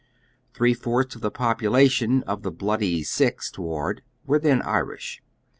Tliree fourtlis of tlie population of the *' Bloody Sixth " Ward wei'e then Irisli.